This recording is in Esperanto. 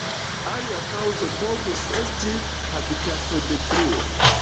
Alia kaŭzo povus esti habitatodetruo.